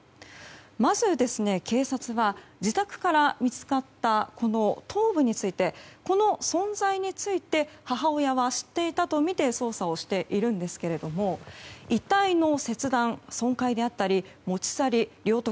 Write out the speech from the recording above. まず警察は自宅から見つかったこの頭部についてこの存在について母親は知っていたとみて捜査をしているんですけれども遺体の切断、損壊であったり持ち去り、領得。